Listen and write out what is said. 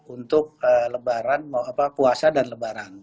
untuk lebaran puasa dan lebaran